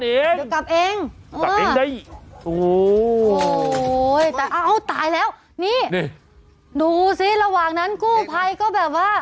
เดี๋ยวกลับเองกลับเองได้โอ้โหแต่เอ้าตายแล้วนี่ดูสิระหว่างนั้นกู้ภัยก็แบบว่า